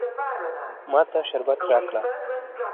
ما ته شربت راکه.